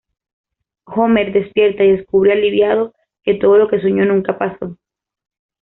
Homer despierta y descubre aliviado que todo lo que soñó nunca pasó.